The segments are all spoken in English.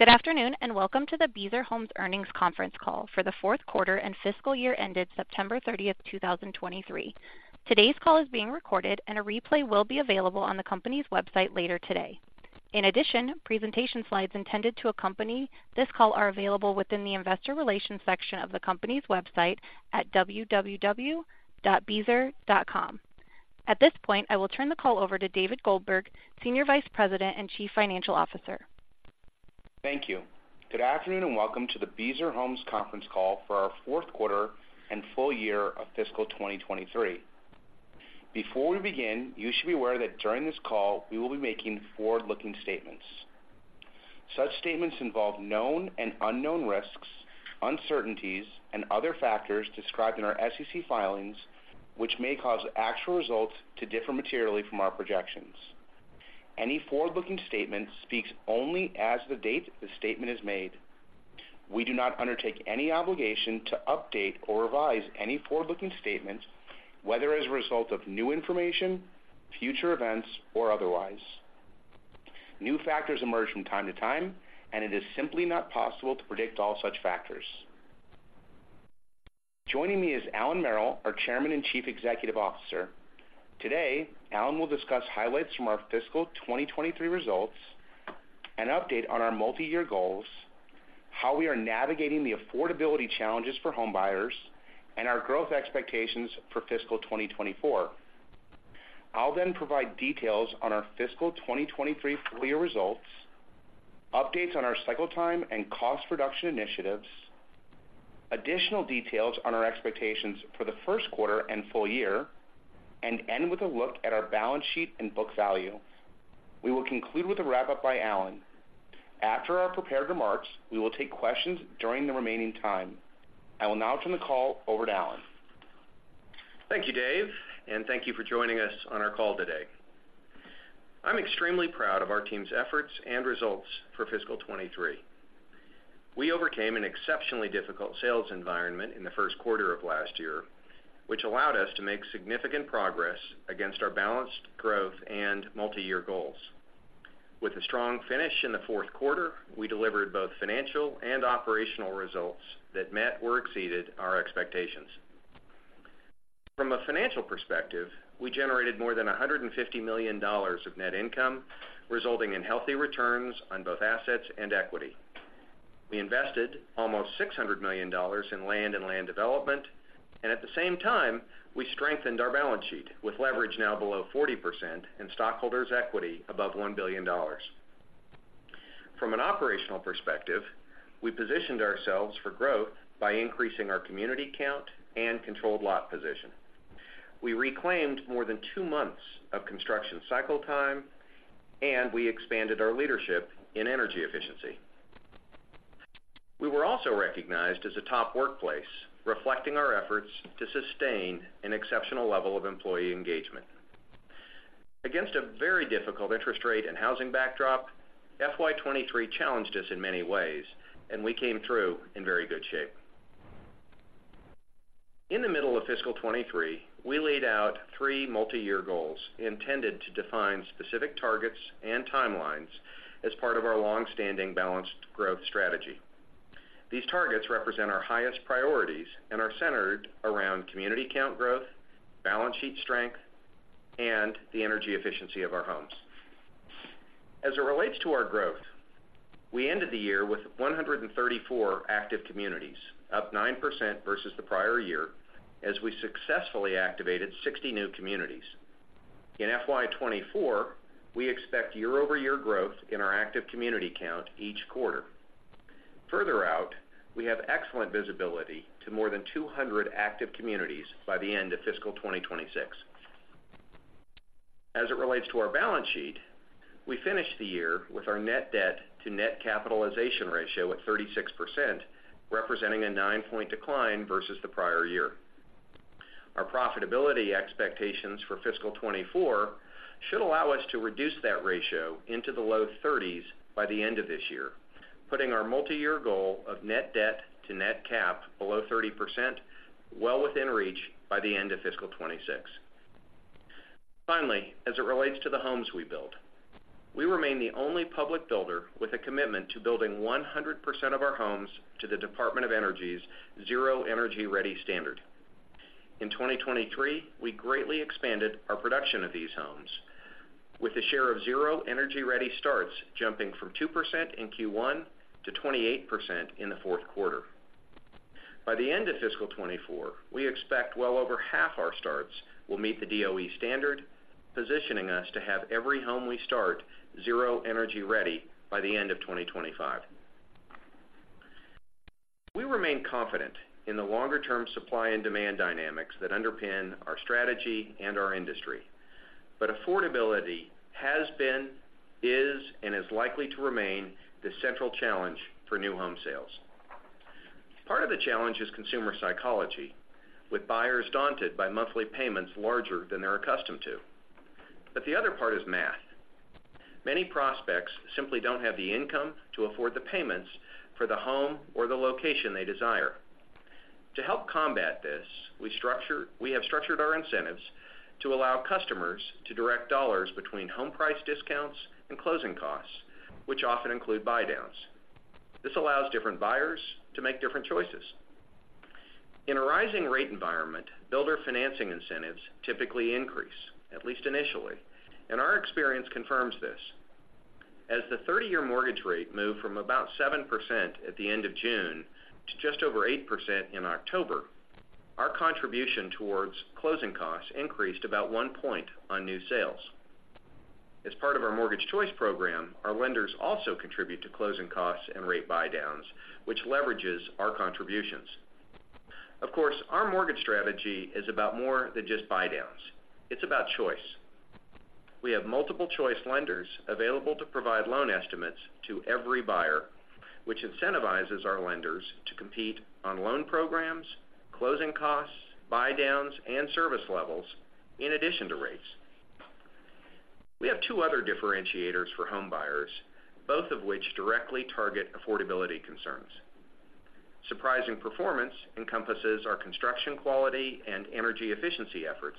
Good afternoon, and welcome to the Beazer Homes Earnings Conference Call for the fourth quarter and fiscal year ended September 30, 2023. Today's call is being recorded, and a replay will be available on the company's website later today. In addition, presentation slides intended to accompany this call are available within the Investor Relations section of the company's website at www.beazer.com. At this point, I will turn the call over to David Goldberg, Senior Vice President and Chief Financial Officer. Thank you. Good afternoon, and welcome to the Beazer Homes conference call for our fourth quarter and full year of fiscal 2023. Before we begin, you should be aware that during this call, we will be making forward-looking statements. Such statements involve known and unknown risks, uncertainties, and other factors described in our SEC filings, which may cause actual results to differ materially from our projections. Any forward-looking statement speaks only as of the date the statement is made. We do not undertake any obligation to update or revise any forward-looking statements, whether as a result of new information, future events, or otherwise. New factors emerge from time to time, and it is simply not possible to predict all such factors. Joining me is Allan Merrill, our Chairman and Chief Executive Officer. Today, Allan will discuss highlights from our fiscal 2023 results, an update on our multiyear goals, how we are navigating the affordability challenges for homebuyers, and our growth expectations for fiscal 2024. I'll then provide details on our fiscal 2023 full year results, updates on our cycle time and cost reduction initiatives, additional details on our expectations for the first quarter and full year, and end with a look at our balance sheet and book value. We will conclude with a wrap-up by Allan. After our prepared remarks, we will take questions during the remaining time. I will now turn the call over to Allan. Thank you, Dave, and thank you for joining us on our call today. I'm extremely proud of our team's efforts and results for fiscal 2023. We overcame an exceptionally difficult sales environment in the first quarter of last year, which allowed us to make significant progress against our balanced growth and multiyear goals. With a strong finish in the fourth quarter, we delivered both financial and operational results that met or exceeded our expectations. From a financial perspective, we generated more than $150 million of net income, resulting in healthy returns on both assets and equity. We invested almost $600 million in land and land development, and at the same time, we strengthened our balance sheet, with leverage now below 40% and stockholders' equity above $1 billion. From an operational perspective, we positioned ourselves for growth by increasing our community count and controlled lot position. We reclaimed more than two months of construction cycle time, and we expanded our leadership in energy efficiency. We were also recognized as a top workplace, reflecting our efforts to sustain an exceptional level of employee engagement. Against a very difficult interest rate and housing backdrop, FY 2023 challenged us in many ways, and we came through in very good shape. In the middle of fiscal 2023, we laid out three multiyear goals intended to define specific targets and timelines as part of our long-standing balanced growth strategy. These targets represent our highest priorities and are centered around community count growth, balance sheet strength, and the energy efficiency of our homes. As it relates to our growth, we ended the year with 134 active communities, up 9% versus the prior year, as we successfully activated 60 new communities. In FY 2024, we expect year-over-year growth in our active community count each quarter. Further out, we have excellent visibility to more than 200 active communities by the end of fiscal 2026. As it relates to our balance sheet, we finished the year with our net debt to net capitalization ratio at 36%, representing a 9-point decline versus the prior year. Our profitability expectations for fiscal 2024 should allow us to reduce that ratio into the low 30s by the end of this year, putting our multiyear goal of net debt to net cap below 30%, well within reach by the end of fiscal 2026. Finally, as it relates to the homes we build, we remain the only public builder with a commitment to building 100% of our homes to the Department of Energy's Zero Energy Ready standard. In 2023, we greatly expanded our production of these homes, with a share of Zero Energy Ready starts jumping from 2% in Q1 to 28% in the fourth quarter. By the end of fiscal 2024, we expect well over half our starts will meet the DOE standard, positioning us to have every home we start Zero Energy Ready by the end of 2025. We remain confident in the longer-term supply and demand dynamics that underpin our strategy and our industry, but affordability has been, is, and is likely to remain the central challenge for new home sales. Part of the challenge is consumer psychology, with buyers daunted by monthly payments larger than they're accustomed to, but the other part is math. Many prospects simply don't have the income to afford the payments for the home or the location they desire… To help combat this, we have structured our incentives to allow customers to direct dollars between home price discounts and closing costs, which often include buydowns. This allows different buyers to make different choices. In a rising rate environment, builder financing incentives typically increase, at least initially, and our experience confirms this. As the 30-year mortgage rate moved from about 7% at the end of June to just over 8% in October, our contribution towards closing costs increased about 1 point on new sales. As part of our Mortgage Choice program, our lenders also contribute to closing costs and rate buydowns, which leverages our contributions. Of course, our mortgage strategy is about more than just buydowns. It's about choice. We have multiple choice lenders available to provide loan estimates to every buyer, which incentivizes our lenders to compete on loan programs, closing costs, buy downs, and service levels in addition to rates. We have two other differentiators for home buyers, both of which directly target affordability concerns. Surprising Performance encompasses our construction quality and energy efficiency efforts,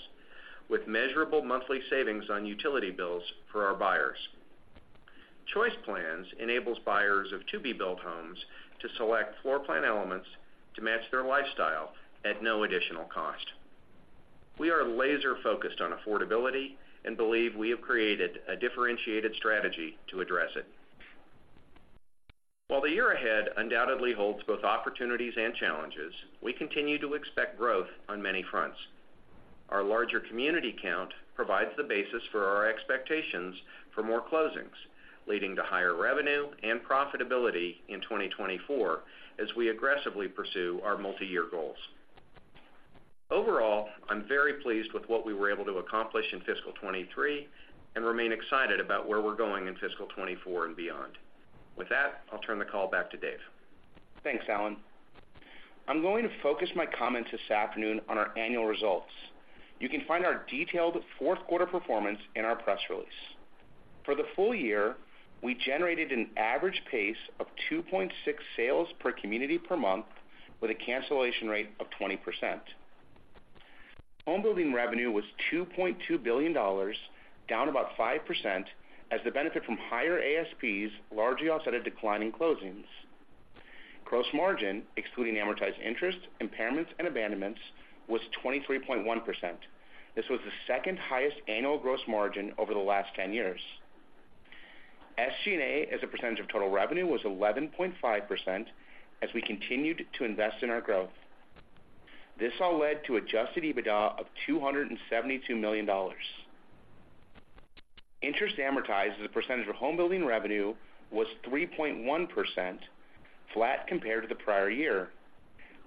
with measurable monthly savings on utility bills for our buyers. Choice Plans enables buyers of to-be-built homes to select floor plan elements to match their lifestyle at no additional cost. We are laser focused on affordability and believe we have created a differentiated strategy to address it. While the year ahead undoubtedly holds both opportunities and challenges, we continue to expect growth on many fronts. Our larger community count provides the basis for our expectations for more closings, leading to higher revenue and profitability in 2024, as we aggressively pursue our multi-year goals. Overall, I'm very pleased with what we were able to accomplish in fiscal 2023, and remain excited about where we're going in fiscal 2024 and beyond. With that, I'll turn the call back to Dave. Thanks, Allan. I'm going to focus my comments this afternoon on our annual results. You can find our detailed fourth quarter performance in our press release. For the full year, we generated an average pace of 2.6 sales per community per month, with a cancellation rate of 20%. Home building revenue was $2.2 billion, down about 5%, as the benefit from higher ASPs largely offset a decline in closings. Gross margin, excluding amortized interest, impairments, and abandonments, was 23.1%. This was the second highest annual gross margin over the last 10 years. SG&A, as a percentage of total revenue, was 11.5%, as we continued to invest in our growth. This all led to adjusted EBITDA of $272 million. Interest amortized as a percentage of home building revenue was 3.1%, flat compared to the prior year.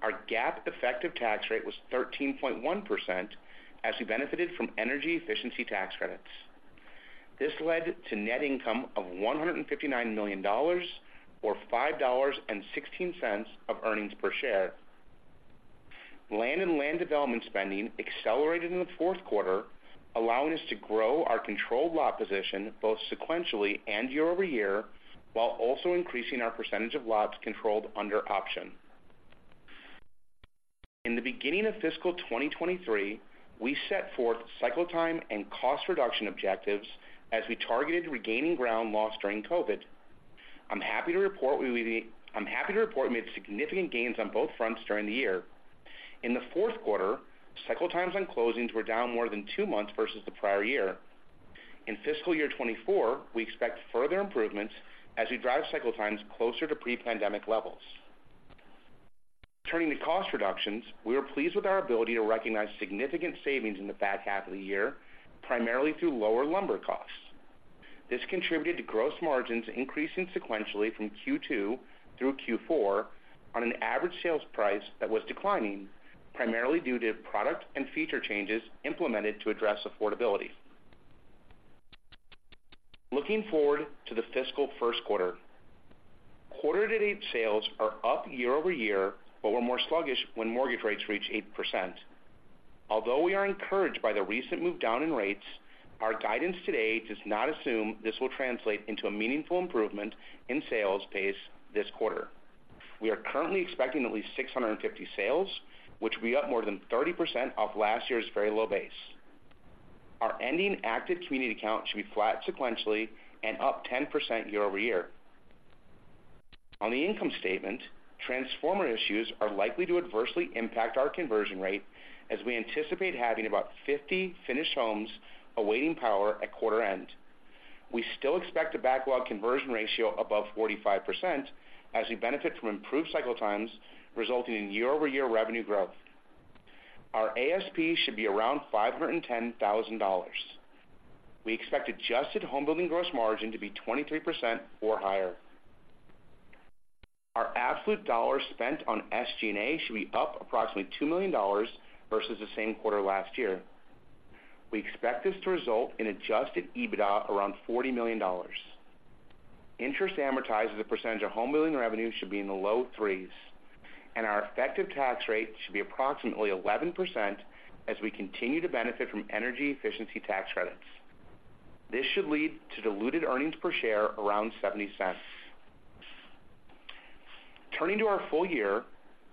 Our GAAP effective tax rate was 13.1%, as we benefited from energy efficiency tax credits. This led to net income of $159 million, or $5.16 of earnings per share. Land and land development spending accelerated in the fourth quarter, allowing us to grow our controlled lot position both sequentially and year-over-year, while also increasing our percentage of lots controlled under option. In the beginning of fiscal 2023, we set forth cycle time and cost reduction objectives as we targeted regaining ground lost during COVID. I'm happy to report we made significant gains on both fronts during the year. In the fourth quarter, cycle times on closings were down more than two months versus the prior year. In fiscal year 2024, we expect further improvements as we drive cycle times closer to pre-pandemic levels. Turning to cost reductions, we are pleased with our ability to recognize significant savings in the back half of the year, primarily through lower lumber costs. This contributed to gross margins increasing sequentially from Q2 through Q4 on an average sales price that was declining, primarily due to product and feature changes implemented to address affordability. Looking forward to the fiscal first quarter, quarter-to-date sales are up year-over-year, but were more sluggish when mortgage rates reached 8%. Although we are encouraged by the recent move down in rates, our guidance today does not assume this will translate into a meaningful improvement in sales pace this quarter. We are currently expecting at least 650 sales, which will be up more than 30% off last year's very low base. Our ending active community count should be flat sequentially and up 10% year-over-year. On the income statement, transformer issues are likely to adversely impact our conversion rate as we anticipate having about 50 finished homes awaiting power at quarter-end. We still expect a backlog conversion ratio above 45%, as we benefit from improved cycle times, resulting in year-over-year revenue growth. Our ASP should be around $510,000. We expect adjusted home building gross margin to be 23% or higher. Our absolute dollars spent on SG&A should be up approximately $2 million versus the same quarter last year. We expect this to result in adjusted EBITDA around $40 million. Interest amortized as a percentage of home building revenue should be in the low 3s, and our effective tax rate should be approximately 11% as we continue to benefit from energy efficiency tax credits. This should lead to diluted earnings per share around $0.70. Turning to our full year,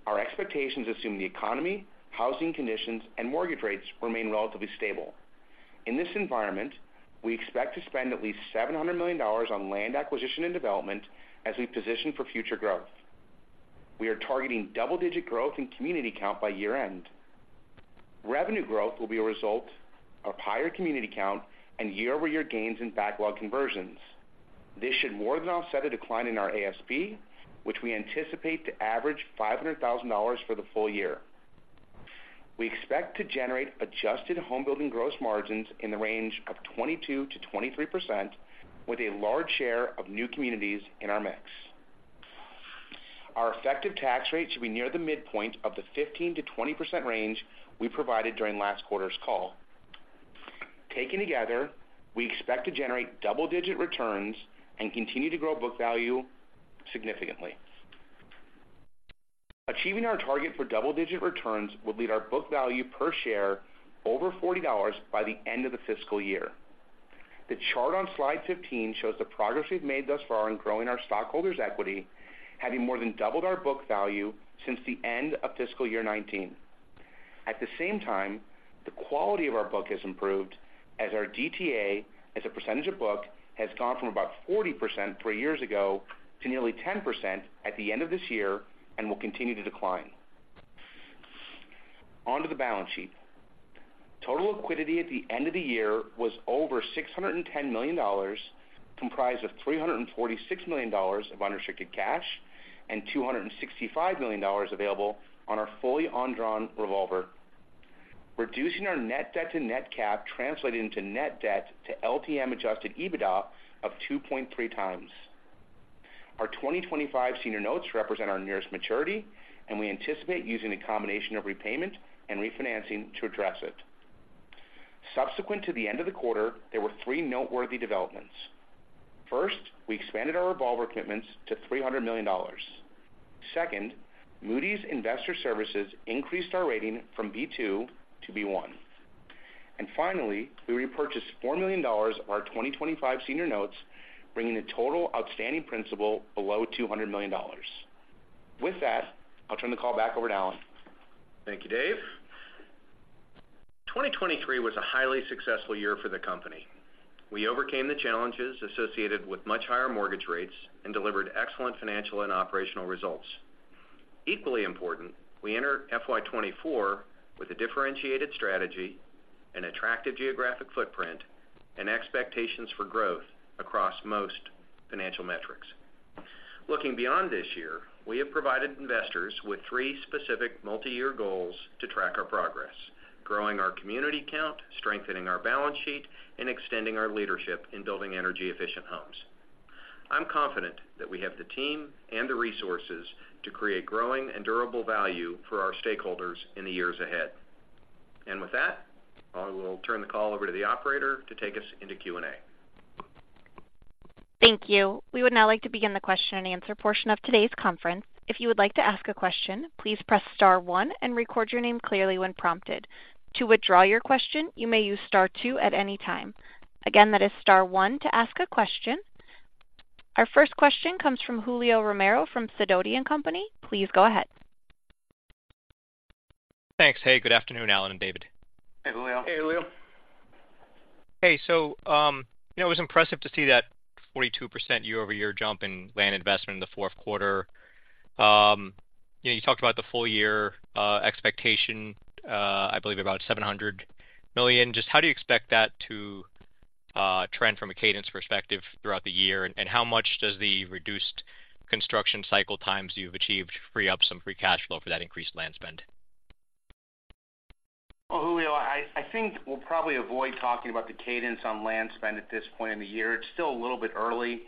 our expectations assume the economy, housing conditions, and mortgage rates remain relatively stable. In this environment, we expect to spend at least $700 million on land acquisition and development as we position for future growth. We are targeting double-digit growth in community count by year-end. Revenue growth will be a result of higher community count and year-over-year gains in backlog conversions. This should more than offset a decline in our ASP, which we anticipate to average $500,000 for the full year. We expect to generate adjusted home building gross margins in the range of 22%-23%, with a large share of new communities in our mix. Our effective tax rate should be near the midpoint of the 15%-20% range we provided during last quarter's call. Taken together, we expect to generate double-digit returns and continue to grow book value significantly. Achieving our target for double-digit returns will lead our book value per share over $40 by the end of the fiscal year. The chart on slide 15 shows the progress we've made thus far in growing our stockholders' equity, having more than doubled our book value since the end of fiscal year 2019. At the same time, the quality of our book has improved, as our DTA, as a percentage of book, has gone from about 40% three years ago to nearly 10% at the end of this year, and will continue to decline. On to the balance sheet. Total liquidity at the end of the year was over $610 million, comprised of $346 million of unrestricted cash and $265 million available on our fully undrawn revolver. Reducing our net debt to net cap translated into net debt to LTM-adjusted EBITDA of 2.3 times. Our 2025 senior notes represent our nearest maturity, and we anticipate using a combination of repayment and refinancing to address it. Subsequent to the end of the quarter, there were three noteworthy developments. First, we expanded our revolver commitments to $300 million. Second, Moody's Investors Service increased our rating from B2 to B1. And finally, we repurchased $4 million of our 2025 senior notes, bringing the total outstanding principal below $200 million. With that, I'll turn the call back over to Alan. Thank you, Dave. 2023 was a highly successful year for the company. We overcame the challenges associated with much higher mortgage rates and delivered excellent financial and operational results. Equally important, we entered FY 2024 with a differentiated strategy, an attractive geographic footprint, and expectations for growth across most financial metrics. Looking beyond this year, we have provided investors with three specific multiyear goals to track our progress: growing our community count, strengthening our balance sheet, and extending our leadership in building energy-efficient homes. I'm confident that we have the team and the resources to create growing and durable value for our stakeholders in the years ahead. And with that, I will turn the call over to the operator to take us into Q&A. Thank you. We would now like to begin the question-and-answer portion of today's conference. If you would like to ask a question, please press star one and record your name clearly when prompted. To withdraw your question, you may use star two at any time. Again, that is star one to ask a question. Our first question comes from Julio Romero from Sidoti & Company. Please go ahead. Thanks. Hey, good afternoon, Alan and David. Hey, Julio. Hey, Julio. Hey, so, you know, it was impressive to see that 42% year-over-year jump in land investment in the fourth quarter. You know, you talked about the full year expectation, I believe, about $700 million. Just how do you expect that to trend from a cadence perspective throughout the year? And how much does the reduced construction cycle times you've achieved free up some free cash flow for that increased land spend? Well, Julio, I think we'll probably avoid talking about the cadence on land spend at this point in the year. It's still a little bit early.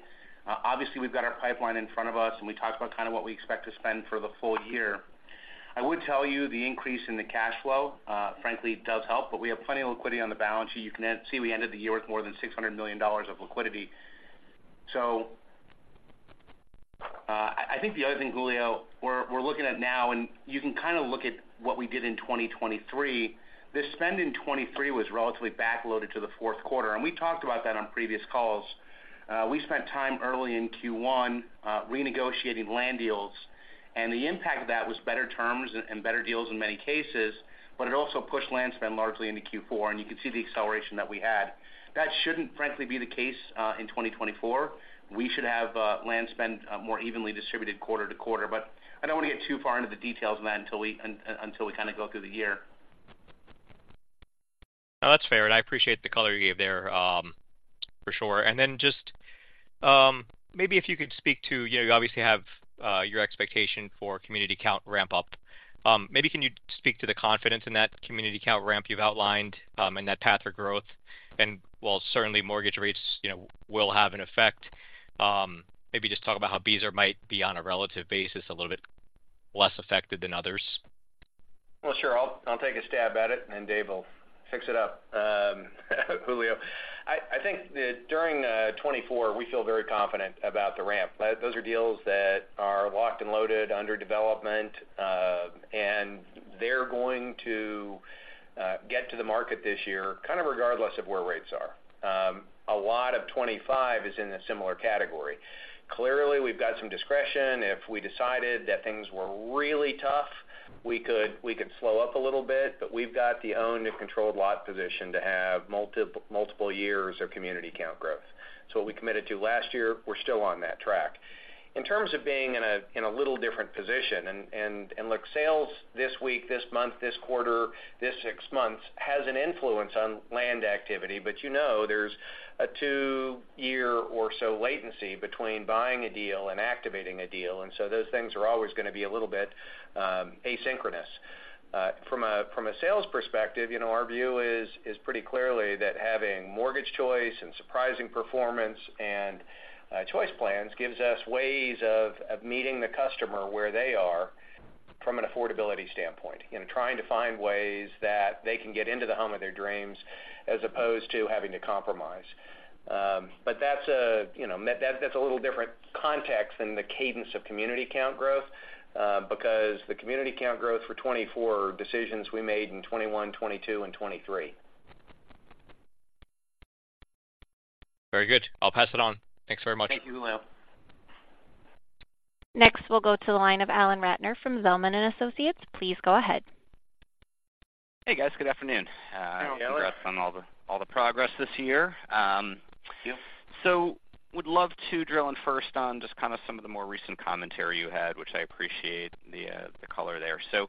Obviously, we've got our pipeline in front of us, and we talked about kind of what we expect to spend for the full year. I would tell you, the increase in the cash flow, frankly, does help, but we have plenty of liquidity on the balance sheet. You can see, we ended the year with more than $600 million of liquidity. So, I think the other thing, Julio, we're looking at now, and you can kind of look at what we did in 2023, the spend in 2023 was relatively backloaded to the fourth quarter, and we talked about that on previous calls. We spent time early in Q1 renegotiating land deals, and the impact of that was better terms and better deals in many cases, but it also pushed land spend largely into Q4, and you can see the acceleration that we had. That shouldn't, frankly, be the case in 2024. We should have land spend more evenly distributed quarter to quarter. But I don't want to get too far into the details of that until we kind of go through the year. No, that's fair, and I appreciate the color you gave there, for sure. And then just, maybe if you could speak to, you know, you obviously have, your expectation for community count ramp up. Maybe can you speak to the confidence in that community count ramp you've outlined, and that path for growth? And while certainly mortgage rates, you know, will have an effect, maybe just talk about how Beazer might be, on a relative basis, a little bit less affected than others. Well, sure. I'll take a stab at it, and then Dave will fix it up, Julio. I think that during 2024, we feel very confident about the ramp. Those are deals that are locked and loaded under development, and they're going to-... get to the market this year, kind of regardless of where rates are. A lot of 25 is in a similar category. Clearly, we've got some discretion. If we decided that things were really tough, we could slow up a little bit, but we've got the owned and controlled lot position to have multiple years of community count growth. So what we committed to last year, we're still on that track. In terms of being in a little different position, and look, sales this week, this month, this quarter, this six months, has an influence on land activity, but you know, there's a 2-year or so latency between buying a deal and activating a deal, and so those things are always gonna be a little bit asynchronous. From a sales perspective, you know, our view is pretty clearly that having Mortgage Choice and Surprising Performance and Choice Plans gives us ways of meeting the customer where they are from an affordability standpoint, you know, trying to find ways that they can get into the home of their dreams as opposed to having to compromise. But that's, you know, a little different context than the cadence of community count growth, because the community count growth for 24 decisions we made in 2021, 2022, and 2023. Very good. I'll pass it on. Thanks very much. Thank you, Will. Next, we'll go to the line of Alan Ratner from Zelman & Associates. Please go ahead. Hey, guys. Good afternoon. Hello, Alan. Congrats on all the progress this year. Thank you. So would love to drill in first on just kind of some of the more recent commentary you had, which I appreciate the color there. So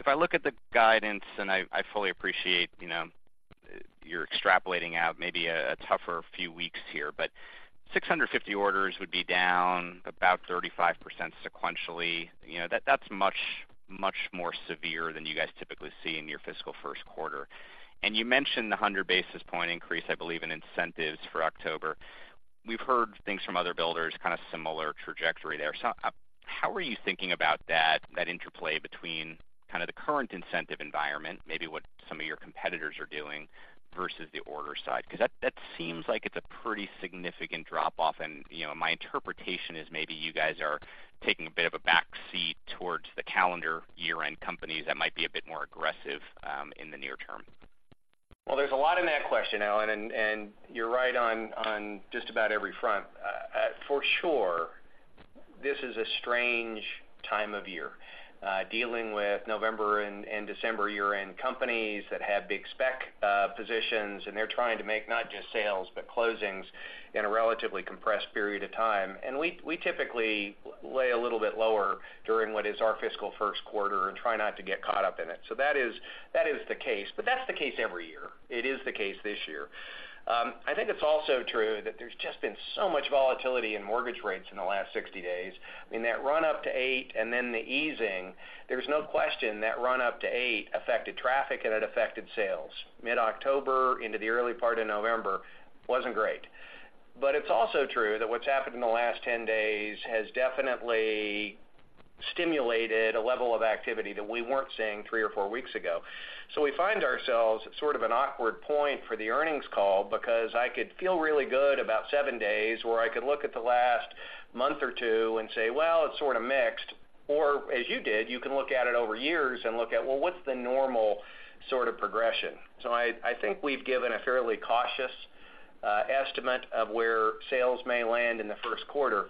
if I look at the guidance, and I fully appreciate, you know, you're extrapolating out maybe a tougher few weeks here, but 650 orders would be down about 35% sequentially. You know, that's much, much more severe than you guys typically see in your fiscal first quarter. And you mentioned the 100 basis point increase, I believe, in incentives for October. We've heard things from other builders, kind of similar trajectory there. So how are you thinking about that interplay between kind of the current incentive environment, maybe what some of your competitors are doing versus the order side? Because that, that seems like it's a pretty significant drop-off, and, you know, my interpretation is maybe you guys are taking a bit of a back seat towards the calendar year-end companies that might be a bit more aggressive, in the near term. Well, there's a lot in that question, Alan, and you're right on just about every front. For sure, this is a strange time of year. Dealing with November and December year-end companies that have big spec positions, and they're trying to make not just sales, but closings in a relatively compressed period of time. We typically lay a little bit lower during what is our fiscal first quarter and try not to get caught up in it. So that is the case, but that's the case every year. It is the case this year. I think it's also true that there's just been so much volatility in mortgage rates in the last 60 days. In that run-up to 8% and then the easing, there's no question that run-up to 8% affected traffic and it affected sales. Mid-October into the early part of November wasn't great. But it's also true that what's happened in the last 10 days has definitely stimulated a level of activity that we weren't seeing three or four weeks ago. So we find ourselves at sort of an awkward point for the earnings call because I could feel really good about seven days, or I could look at the last month or two and say, "Well, it's sort of mixed." Or as you did, you can look at it over years and look at, well, what's the normal sort of progression? So I, I think we've given a fairly cautious estimate of where sales may land in the first quarter.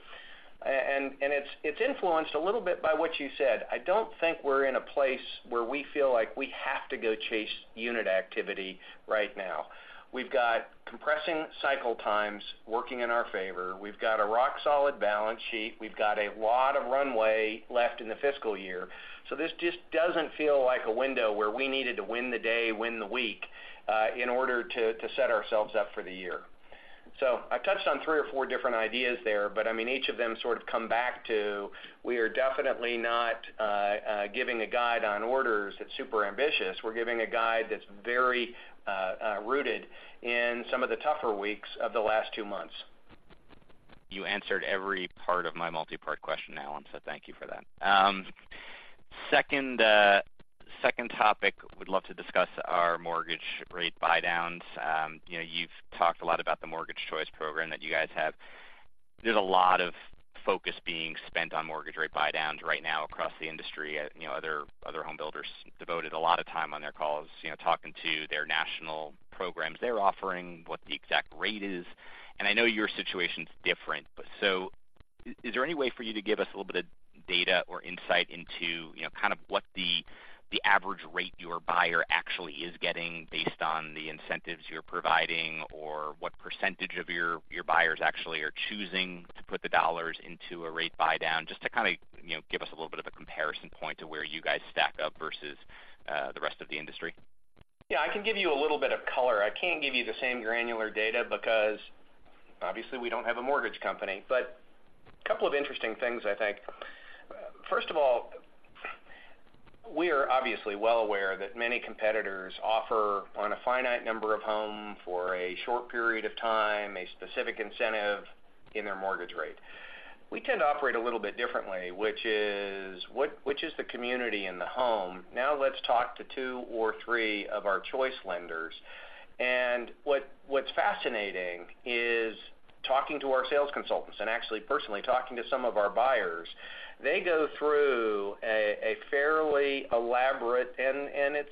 And, and it's, it's influenced a little bit by what you said. I don't think we're in a place where we have to go chase unit activity right now. We've got compressing cycle times working in our favor. We've got a rock-solid balance sheet. We've got a lot of runway left in the fiscal year. So this just doesn't feel like a window where we needed to win the day, win the week, in order to set ourselves up for the year. So I touched on three or four different ideas there, but I mean, each of them sort of come back to, we are definitely not giving a guide on orders that's super ambitious. We're giving a guide that's very rooted in some of the tougher weeks of the last two months. You answered every part of my multi-part question, Alan, so thank you for that. Second topic, would love to discuss are mortgage rate buydowns. You know, you've talked a lot about the Mortgage Choice program that you guys have. There's a lot of focus being spent on mortgage rate buydowns right now across the industry. You know, other home builders devoted a lot of time on their calls, you know, talking to their national programs they're offering, what the exact rate is, and I know your situation's different. But is there any way for you to give us a little bit of data or insight into, you know, kind of what the, the average rate your buyer actually is getting based on the incentives you're providing, or what percentage of your, your buyers actually are choosing to put the dollars into a rate buydown? Just to kind of, you know, give us a little bit of a comparison point to where you guys stack up versus the rest of the industry. Yeah, I can give you a little bit of color. I can't give you the same granular data because, obviously, we don't have a mortgage company. But a couple of interesting things, I think. First of all, we are obviously well aware that many competitors offer, on a finite number of home for a short period of time, a specific incentive in their mortgage rate. We tend to operate a little bit differently, which is, which is the community and the home? Now let's talk to two or three of our Choice lenders.... And what's fascinating is talking to our sales consultants and actually personally talking to some of our buyers, they go through a fairly elaborate, and it's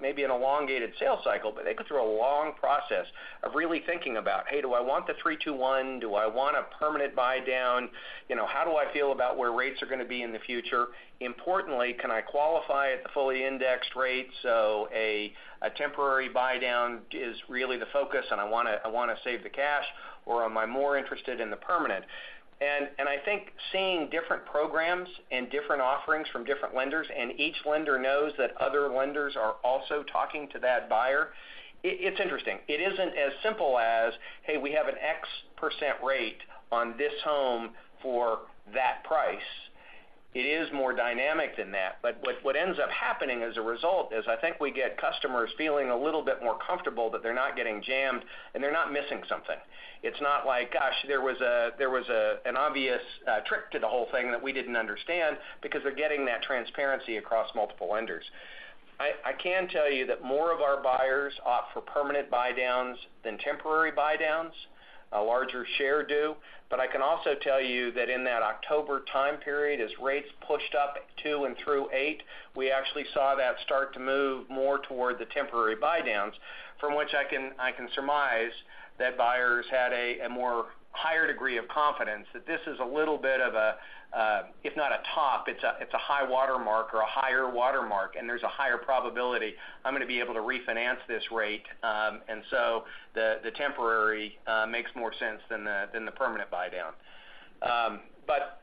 maybe an elongated sales cycle, but they go through a long process of really thinking about, Hey, do I want the 3-2-1? Do I want a permanent buy down? You know, how do I feel about where rates are gonna be in the future? Importantly, can I qualify at the fully indexed rate, so a temporary buy down is really the focus, and I wanna save the cash, or am I more interested in the permanent? And I think seeing different programs and different offerings from different lenders, and each lender knows that other lenders are also talking to that buyer, it's interesting. It isn't as simple as, hey, we have an X% rate on this home for that price. It is more dynamic than that. But what ends up happening as a result is I think we get customers feeling a little bit more comfortable that they're not getting jammed and they're not missing something. It's not like, gosh, there was an obvious trick to the whole thing that we didn't understand because they're getting that transparency across multiple lenders. I can tell you that more of our buyers opt for permanent buydown than temporary buydown. A larger share do, but I can also tell you that in that October time period, as rates pushed up to and through eight, we actually saw that start to move more toward the temporary buydown, from which I can surmise that buyers had a more higher degree of confidence that this is a little bit of a, if not a top, it's a high water mark or a higher water mark, and there's a higher probability I'm gonna be able to refinance this rate. And so the temporary makes more sense than the permanent buydown. But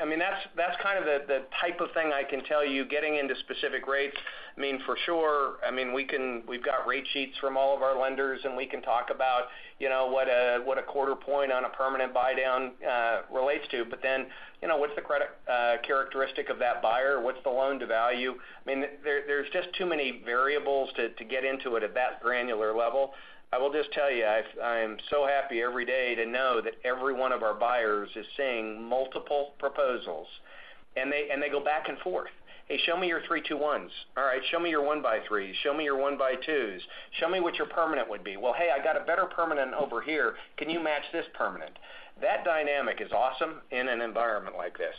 I mean, that's kind of the type of thing I can tell you, getting into specific rates. I mean, for sure, I mean, we've got rate sheets from all of our lenders, and we can talk about, you know, what a quarter point on a permanent buy down relates to. But then, you know, what's the credit characteristic of that buyer? What's the loan to value? I mean, there's just too many variables to get into it at that granular level. I will just tell you, I am so happy every day to know that every one of our buyers is seeing multiple proposals, and they go back and forth. Hey, show me your 3-2-1s. All right, show me your 1 by 3s. Show me your 1 by 2s. Show me what your permanent would be. Well, hey, I got a better permanent over here. Can you match this permanent?" That dynamic is awesome in an environment like this.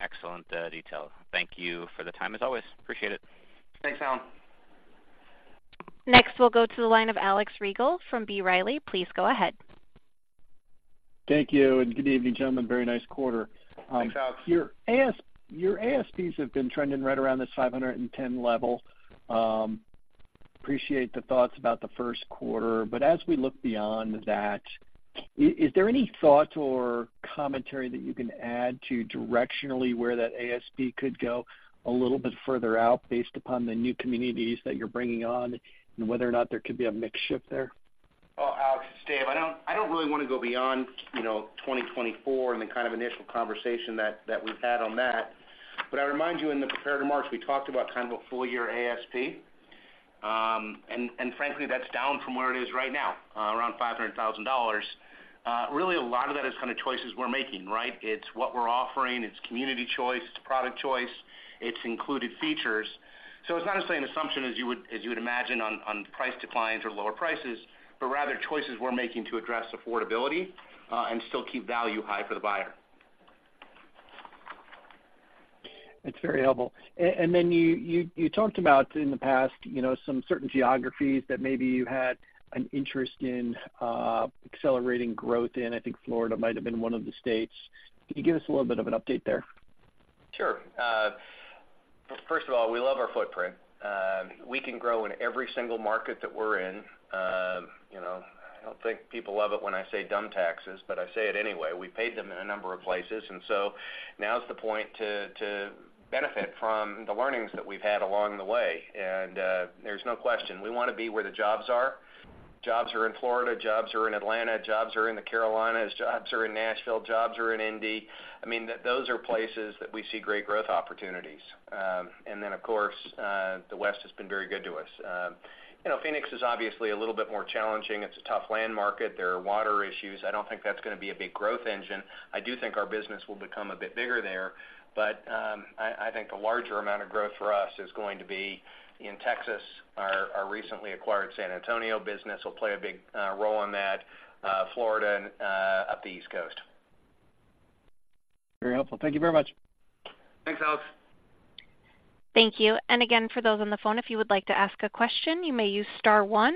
Excellent, detail. Thank you for the time, as always. Appreciate it. Thanks, Alan. Next, we'll go to the line of Alex Rygiel from B. Riley. Please go ahead. Thank you, and good evening, gentlemen. Very nice quarter. Thanks, Alex. Your ASPs have been trending right around the 510 level. Appreciate the thoughts about the first quarter, but as we look beyond that, is there any thought or commentary that you can add to directionally where that ASP could go a little bit further out based upon the new communities that you're bringing on and whether or not there could be a mix shift there? Well, Alex, Dave, I don't really wanna go beyond, you know, 2024 and the kind of initial conversation that we've had on that. But I remind you, in the prepared remarks, we talked about kind of a full year ASP. And frankly, that's down from where it is right now, around $500,000. Really a lot of that is kind of choices we're making, right? It's what we're offering, it's community choice, it's product choice, it's included features. So it's not necessarily an assumption, as you would imagine on price declines or lower prices, but rather choices we're making to address affordability, and still keep value high for the buyer. It's very helpful. And then you talked about in the past, you know, some certain geographies that maybe you had an interest in accelerating growth in. I think Florida might have been one of the states. Can you give us a little bit of an update there? Sure. First of all, we love our footprint. We can grow in every single market that we're in. You know, I don't think people love it when I say dumb taxes, but I say it anyway. We paid them in a number of places, and so now is the point to benefit from the learnings that we've had along the way. And there's no question, we wanna be where the jobs are. Jobs are in Florida, jobs are in Atlanta, jobs are in the Carolinas, jobs are in Nashville, jobs are in Indy. I mean, those are places that we see great growth opportunities. And then, of course, the West has been very good to us. You know, Phoenix is obviously a little bit more challenging. It's a tough land market. There are water issues. I don't think that's gonna be a big growth engine. I do think our business will become a bit bigger there, but I think the larger amount of growth for us is going to be in Texas. Our recently acquired San Antonio business will play a big role on that, Florida and up the East Coast. Very helpful. Thank you very much. Thanks, Alex. Thank you. And again, for those on the phone, if you would like to ask a question, you may use star one.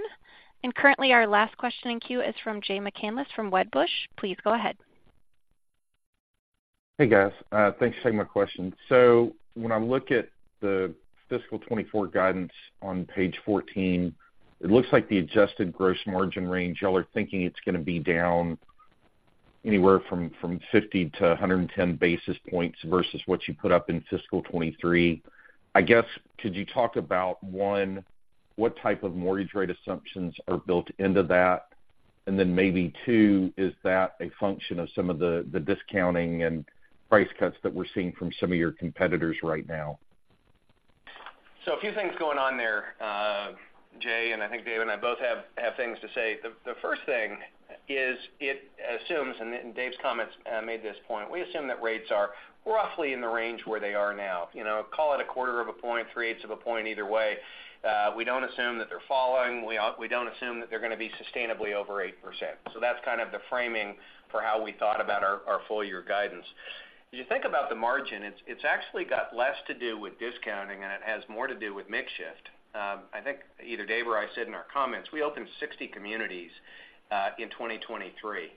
And currently, our last question in queue is from Jay McCanless, from Wedbush. Please go ahead. Hey, guys. Thanks for taking my question. So when I look at the fiscal 2024 guidance on page 14, it looks like the adjusted gross margin range, y'all are thinking it's gonna be down anywhere from 50 to 110 basis points versus what you put up in fiscal 2023. I guess, could you talk about, one, what type of mortgage rate assumptions are built into that? And then maybe, two, is that a function of some of the discounting and price cuts that we're seeing from some of your competitors right now? So a few things going on there. Jay, and I think Dave and I both have things to say. The first thing is it assumes, and Dave's comments made this point: we assume that rates are roughly in the range where they are now. You know, call it a quarter of a point, three-eighths of a point, either way. We don't assume that they're falling. We don't assume that they're gonna be sustainably over 8%. So that's kind of the framing for how we thought about our full year guidance. As you think about the margin, it's actually got less to do with discounting, and it has more to do with mix shift. I think either Dave or I said in our comments, we opened 60 communities in 2023.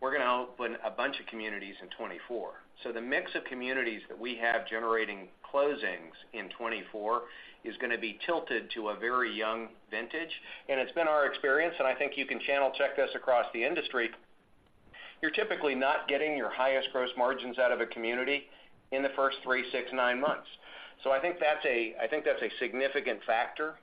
We're gonna open a bunch of communities in 2024. So the mix of communities that we have generating closings in 2024 is gonna be tilted to a very young vintage, and it's been our experience, and I think you can channel check this across the industry, you're typically not getting your highest gross margins out of a community in the first three, six, nine months. So I think that's a, I think that's a significant factor,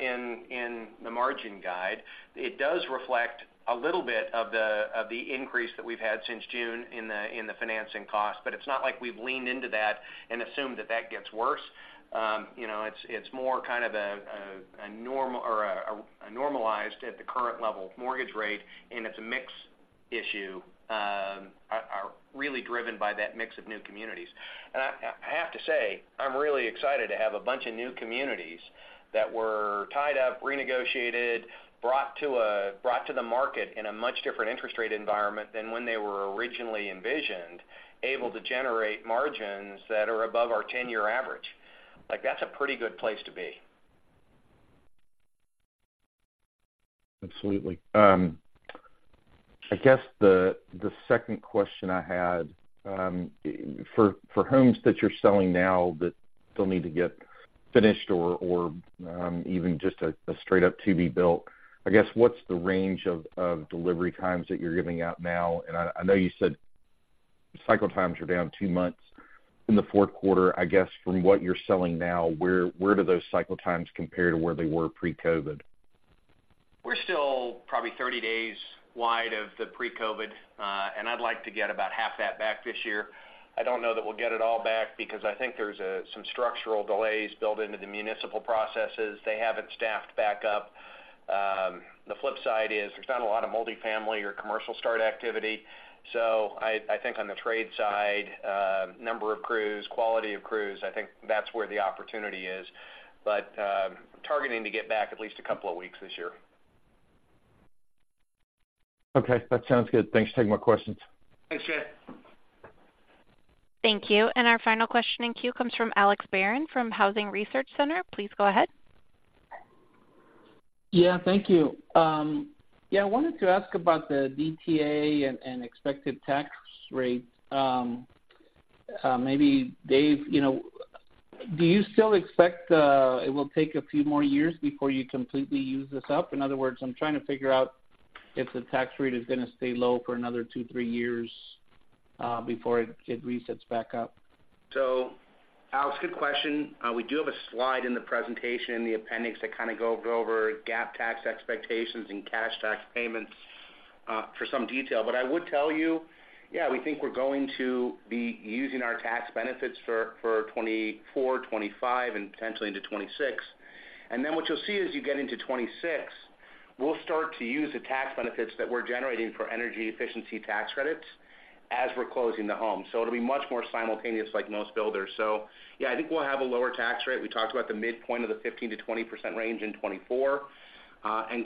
in, in the margin guide. It does reflect a little bit of the, of the increase that we've had since June in the, in the financing costs, but it's not like we've leaned into that and assumed that that gets worse. You know, it's more kind of a normalized at the current level of mortgage rate, and it's a mix issue really driven by that mix of new communities. And I have to say, I'm really excited to have a bunch of new communities that were tied up, renegotiated, brought to the market in a much different interest rate environment than when they were originally envisioned, able to generate margins that are above our ten-year average. Like, that's a pretty good place to be. Absolutely. I guess the second question I had for homes that you're selling now that still need to get finished or even just a straight up to-be-built, I guess, what's the range of delivery times that you're giving out now? And I know you said cycle times are down two months in the fourth quarter. I guess, from what you're selling now, where do those cycle times compare to where they were pre-COVID? We're still probably 30 days wide of the pre-COVID, and I'd like to get about half that back this year. I don't know that we'll get it all back because I think there's some structural delays built into the municipal processes. They haven't staffed back up. The flip side is there's not a lot of multifamily or commercial start activity, so I think on the trade side, number of crews, quality of crews, I think that's where the opportunity is. But targeting to get back at least a couple of weeks this year. Okay, that sounds good. Thanks for taking my questions. Thanks, Jay. Thank you. And our final question in queue comes from Alex Barron from Housing Research Center. Please go ahead. Yeah, thank you. Yeah, I wanted to ask about the DTA and expected tax rate. Maybe Dave, you know, do you still expect it will take a few more years before you completely use this up? In other words, I'm trying to figure out if the tax rate is gonna stay low for another two, three years before it resets back up. So Alex, good question. We do have a slide in the presentation in the appendix that kind of go over GAAP tax expectations and cash tax payments, for some detail. But I would tell you, yeah, we think we're going to be using our tax benefits for 2024, 2025, and potentially into 2026. And then what you'll see as you get into 2026, we'll start to use the tax benefits that we're generating for energy efficiency tax credits as we're closing the home. So it'll be much more simultaneous, like most builders. So yeah, I think we'll have a lower tax rate. We talked about the midpoint of the 15%-20% range in 2024.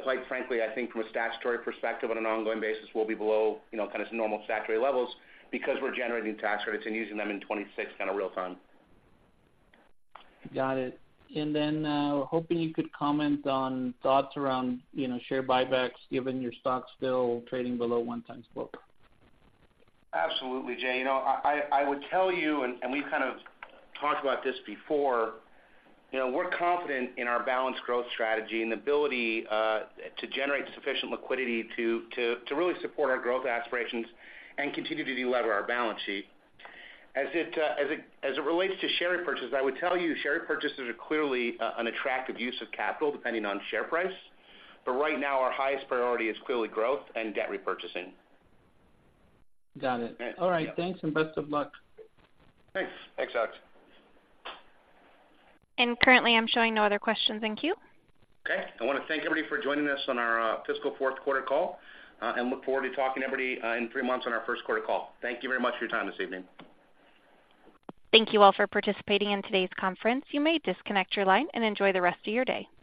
Quite frankly, I think from a statutory perspective on an ongoing basis, we'll be below, you know, kind of normal statutory levels because we're generating tax credits and using them in 2026, kind of real time. Got it. And then, hoping you could comment on thoughts around, you know, share buybacks, given your stock's still trading below 1x book. Absolutely, Jay. You know, I would tell you, and we've kind of talked about this before, you know, we're confident in our balanced growth strategy and the ability to generate sufficient liquidity to really support our growth aspirations and continue to delever our balance sheet. As it relates to share repurchase, I would tell you, share repurchases are clearly an attractive use of capital, depending on share price. But right now, our highest priority is clearly growth and debt repurchasing. Got it. All right. All right, thanks, and best of luck. Thanks. Thanks, Alex. Currently, I'm showing no other questions in queue. Okay. I want to thank everybody for joining us on our fiscal fourth quarter call, and look forward to talking to everybody in three months on our first quarter call. Thank you very much for your time this evening. Thank you all for participating in today's conference. You may disconnect your line and enjoy the rest of your day.